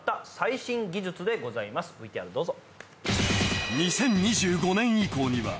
ＶＴＲどうぞ。